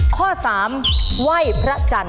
ข้อ๓ไหว้พระจันทร์